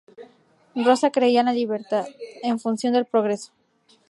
Rosa creía en la libertad en función del progreso.